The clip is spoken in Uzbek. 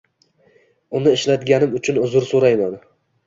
Uni ishlatganim uchun uzr soʻrayman